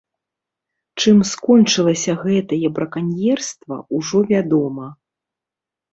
Чым скончылася гэтае браканьерства, ужо вядома.